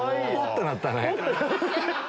てなったね。